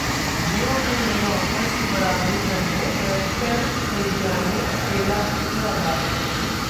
Jio के नए offers की बराबरी करने Airtel-Idea ने खेला अपना दांव